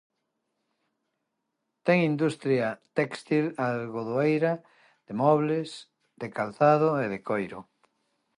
Ten industria téxtil algodoeira, de mobles, de calzado e de coiro.